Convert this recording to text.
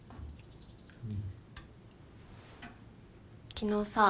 昨日さ。